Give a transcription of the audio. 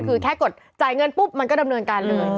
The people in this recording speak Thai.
คือแค่กดจ่ายเงินปุ๊บมันก็ดำเนินการเลย